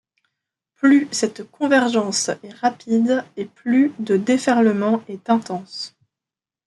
Plus cette convergence est rapide et plus de déferlement est intense.